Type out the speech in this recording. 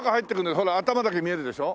ほら頭だけ見えるでしょ。